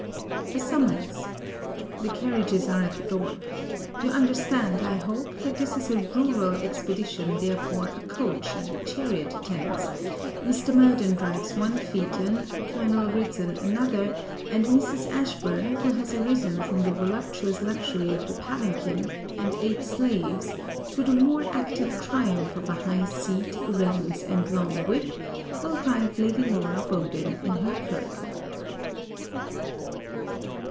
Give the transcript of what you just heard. A summons! The carriages are at the door. You understand, I hope, that this is a rural expedition therefore a coach and a chariot attends, Mr. Murden drives one phaeton, Colonel Ridson another, and Mrs. Ashburn, who has arisen from the voluptuous luxury of the palanquin, and eight slaves, to the more active triumph of a high seat, reins, and long whip, will drive Lady Laura Bowden in her curricle.